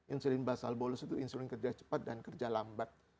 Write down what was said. insulin basal bolus itu insulin kerja cepat dan kerja lambat